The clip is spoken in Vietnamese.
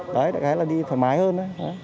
đại khái là đi thoải mái hơn